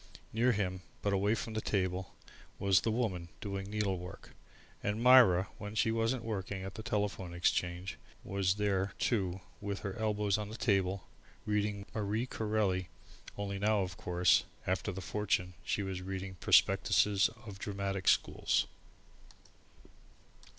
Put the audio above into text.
Near him, but away from the table, was The Woman doing needlework, and Myra, when she wasn't working in the Telephone Exchange, was there too with her elbows on the table reading Marie Corelli only now, of course, after the fortune, she was reading the prospectuses of Dramatic Schools.